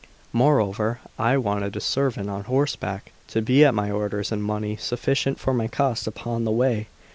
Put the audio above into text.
Moreover, I wanted a servant on horseback to be at my orders, and money sufficient for my costs upon the way.